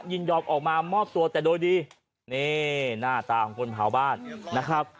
ยินยอมออกมามอบตัวแต่โดยดีนี่หน้าตาของคนเผาบ้านนะครับ